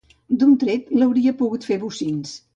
D'un tret l'hauria pogut fer bocins.